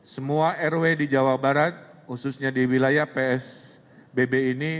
semua rw di jawa barat khususnya di wilayah psb